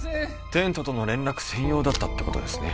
テントとの連絡専用だったってことですね